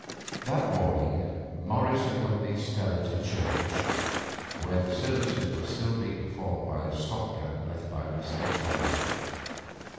That morning Morris accompanied Stella to church, where the services were still being performed by a stop gap left by Mr. Tomley.